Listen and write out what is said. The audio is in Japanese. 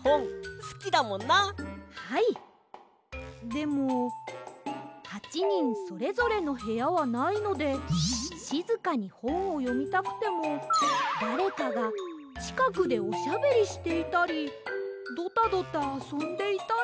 でも８にんそれぞれのへやはないのでしずかにほんをよみたくてもだれかがちかくでおしゃべりしていたりドタドタあそんでいたり。